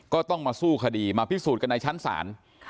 ก็ต้องมาสู้คดีมาพิสูจน์กันในชั้นศาล